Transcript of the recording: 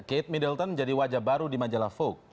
kate middleton menjadi wajah baru di majalah vogue